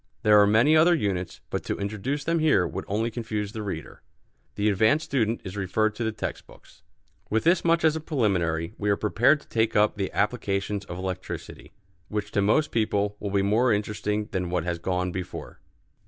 There are many other units, but to introduce them here would only confuse the reader. The advanced student is referred to the text books. With this much as a preliminary we are prepared to take up the applications of electricity, which to most people will be more interesting than what has gone before.